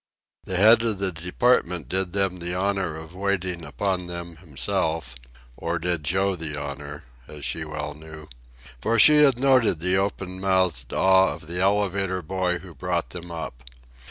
The head of the department did them the honor of waiting upon them himself or did Joe the honor, as she well knew, for she had noted the open mouthed awe of the elevator boy who brought them up.